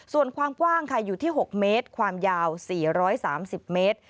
ส่วนความกว้างค่ะอยู่ที่๖เมตรความยาว๔๓๐เมตร